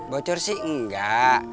bocor sih enggak